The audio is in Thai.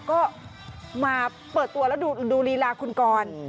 ก็มาเปิดตัวแล้วดูลีลาคุณกร